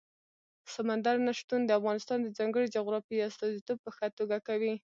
سمندر نه شتون د افغانستان د ځانګړي جغرافیې استازیتوب په ښه توګه کوي.